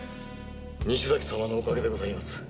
西崎様のおかげでございます。